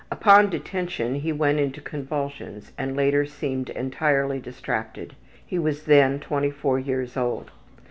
Upon detention he went into convulsions and later seemed entirely distracted. He was then 24 years old.